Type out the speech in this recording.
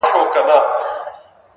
شبنچي زړه چي پر گيا باندې راوښويدی-